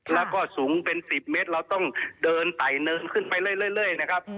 แล้วก็สูงเป็น๑๐เมตรเราต้องเดินไต่เนินขึ้นไปเรื่อยนะครับ